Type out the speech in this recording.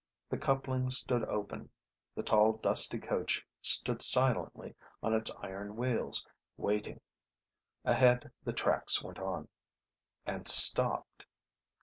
The coupling stood open. The tall, dusty coach stood silently on its iron wheels, waiting. Ahead the tracks went on And stopped.